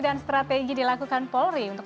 dan strategi dilakukan polri untuk